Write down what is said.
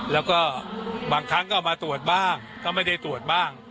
แล้วก็บางครั้งก็เอามาตรวจบ้างก็ไม่ได้ตรวจบ้าง